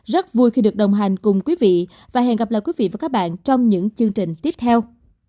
rất vui khi được đồng hành cùng quý vị và hẹn gặp lại quý vị và các bạn trong những chương trình tiếp theo